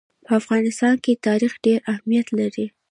په افغانستان کې تاریخ ډېر اهمیت لري.